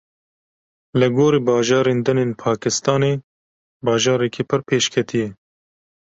Li gorî bajarên din ên Pakistanê bajarekî pir pêşketî ye.